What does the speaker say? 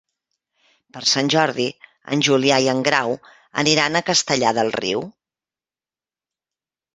Per Sant Jordi en Julià i en Grau aniran a Castellar del Riu.